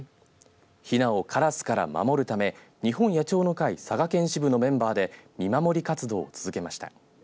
ひなをからすから守るため日本野鳥の会佐賀県支部のメンバーで見守り活動を続けました。